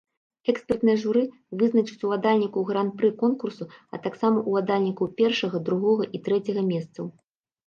Экспертнае журы вызначыць уладальніка гран-пры конкурсу, а таксама уладальнікаў першага, другога і трэцяга месцаў.